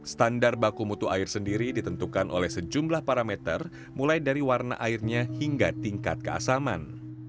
standar baku mutu air sendiri ditentukan oleh sejumlah parameter mulai dari warna airnya hingga tingkat keasaman